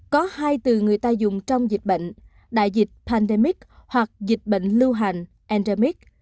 có hai từ người ta dùng trong dịch bệnh đại dịch pandemic hoặc dịch bệnh lưu hành andremic